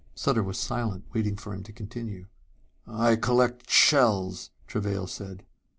Sutter was silent, waiting for him to continue. "I collect shells," Travail said.